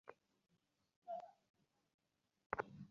গোরা কহিল, মানুষকে মারতে গেলে সে ঠেকাতে যায় কেন?